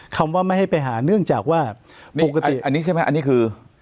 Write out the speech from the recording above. คำว่าไม่ให้ไปหาเนื่องจากว่าปกติอันนี้ใช่ไหมอันนี้คือ